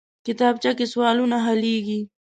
کتابچه کې سوالونه حلېږي